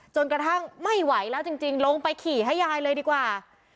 จนกระทั่งไม่ไหวแล้วจริงลงไปขี่ให้ยายเลยดีกว่า